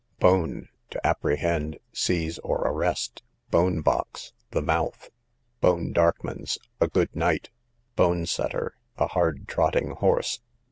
Bone, to apprehend, seize, or arrest. Bone box, the mouth. Bone Darkmans, a good night. Bone setter, a hard trotting horse.